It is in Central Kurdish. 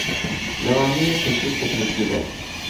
لەوانەیە کێشەی تەکنیکی بێت